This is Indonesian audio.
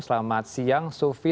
selamat siang sufi